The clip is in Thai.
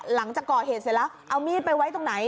หลังจากก่อเหตุเสร็จแล้วเอามีดไปไว้ตรงไหน